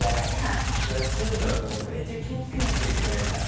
そういうのめっちゃ気を付けないといけないじゃん。